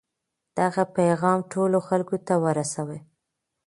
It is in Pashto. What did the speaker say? دغه پیغام ټولو خلکو ته ورسوئ.